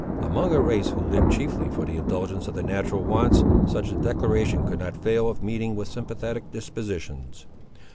Among a race who lived chiefly for the indulgence of the natural wants, such a declaration could not fail of meeting with sympathetic dispositions.